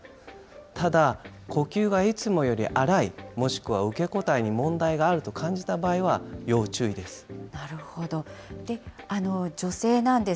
ただ、呼吸がいつもより荒い、もしくは受け答えに問題があると感じた場合は要注意です。